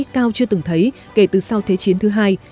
cao chưa từng thấy kể từ sau thế chiến thứ hai